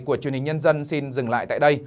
của truyền hình nhân dân xin dừng lại tại đây